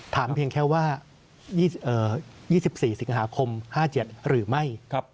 เพียงแค่ว่า๒๔สิงหาคม๕๗หรือไม่